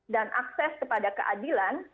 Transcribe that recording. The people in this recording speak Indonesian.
dan akses kepada keadilan